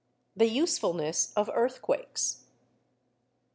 _THE USEFULNESS OF EARTHQUAKES.